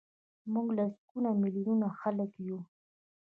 موږ لسګونه میلیونه خلک یو.